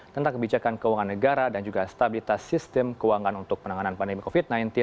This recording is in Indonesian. tentang kebijakan keuangan negara dan juga stabilitas sistem keuangan untuk penanganan pandemi covid sembilan belas